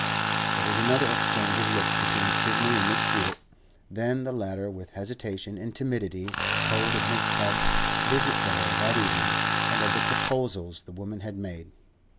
There was another exchange of looks between Sidney and Mrs. Hewett; then the latter with hesitation and timidity told of Mrs. Tubbs's visit to her that evening, and of the proposals the woman had made.